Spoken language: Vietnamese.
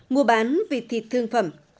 mua bán vịt thịt thương phẩm